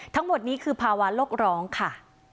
ทั้งหมดนี้คือภาวะโลกร้องค่ะ